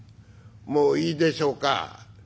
もういいでしょうか？」。